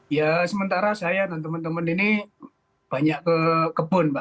ya sementara saya dan teman teman ini banyak ke kebun pak